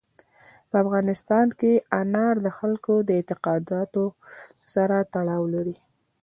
په افغانستان کې انار د خلکو د اعتقاداتو سره تړاو لري.